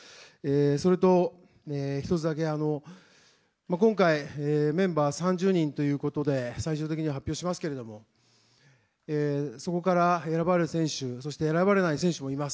それと１つだけ、今回、メンバー３０人ということで、最終的に発表しますけれども、そこから選ばれる選手、そして選ばれない選手もいます。